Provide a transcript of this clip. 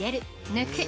「抜く」。